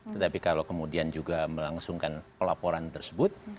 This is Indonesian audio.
tetapi kalau kemudian juga melangsungkan pelaporan tersebut